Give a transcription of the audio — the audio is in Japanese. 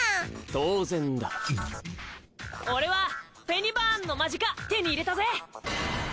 当然だ俺はフェニバーンのマジカ手に入れたぜ！